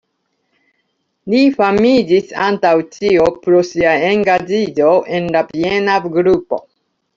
Li famiĝis antaŭ ĉio pro sia engaĝiĝo en la Viena Grupo.